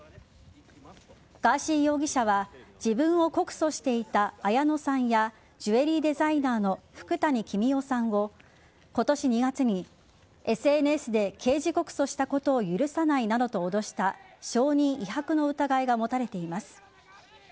ガーシー容疑者は自分を告訴していた綾野さんやジュエリーデザイナーの福谷公男さんを今年２月に、ＳＮＳで刑事告訴したことを許さないなどと脅した証人威迫の疑いが持たれています。